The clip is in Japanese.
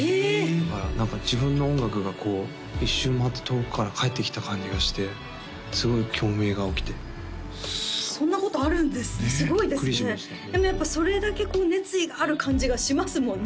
だから何か自分の音楽がこう１周回って遠くから返ってきた感じがしてすごい共鳴が起きてそんなことあるんですねすごいですねでもやっぱそれだけ熱意がある感じがしますもんね